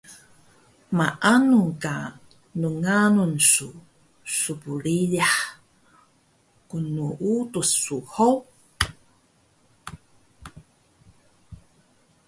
Maanu ka ngngalun su spririh knuudus su ho